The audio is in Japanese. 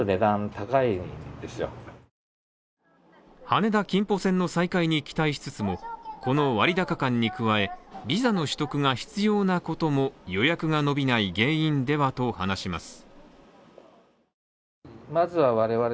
羽田−キンポの再開に期待しつつもこの割高感に加え、ビザの取得が必要なことも予約が伸びない原因ではと話します。